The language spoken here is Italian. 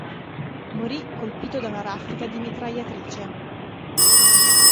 Morì colpito da una raffica di mitragliatrice.